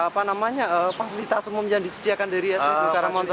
apa namanya fasilitas umum yang disediakan dari spbu karamonstro